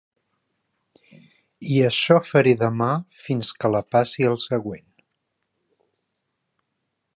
I això faré demà fins que la passi al següent.